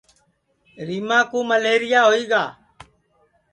ریماں کُو مئلیریا ہوئی گا